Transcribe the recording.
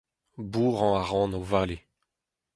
bourrañ a ran o vale